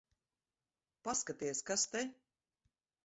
Paskaties, kas te...